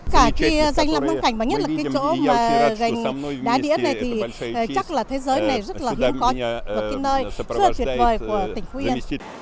cả khi danh năm thông cảnh và nhất là cái chỗ mà gành đá đĩa này thì chắc là thế giới này rất là hứng khói và cái nơi rất là tuyệt vời của tỉnh phú yên